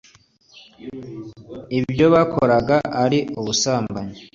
ibyo bakoraga ari ubusambanyi